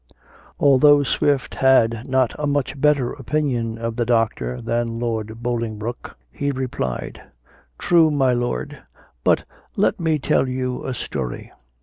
Although Swift had not a much better opinion of the Doctor than Lord Bolingbroke, he replied, "True, my Lord; but let me tell you a story.